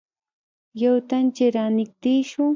یو تن چې رانږدې شو.